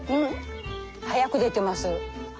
早く出てます。